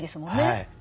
はい。